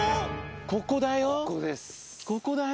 ここだよ。